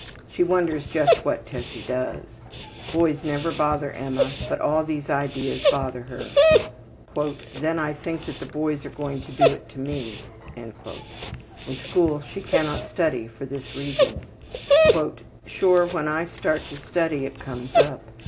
She wonders just what Tessie does. Boys never bother Emma, but all these ideas bother her. ``Then I think that the boys are going to do it to me.'' In school she cannot study for this reason. ``Sure, when I start to study it comes up.